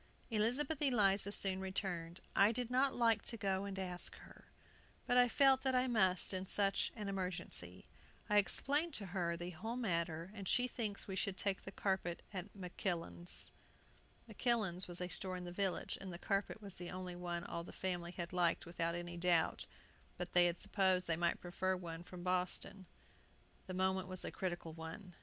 Elizabeth Eliza soon returned. "I did not like to go and ask her. But I felt that I must in such an emergency. I explained to her the whole matter, and she thinks we should take the carpet at Makillan's." "Makillan's" was a store in the village, and the carpet was the only one all the family had liked without any doubt; but they had supposed they might prefer one from Boston. The moment was a critical one.